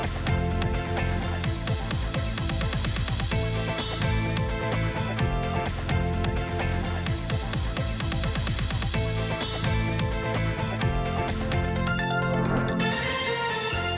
สวัสดีค่ะสวัสดีค่ะสวัสดีค่ะ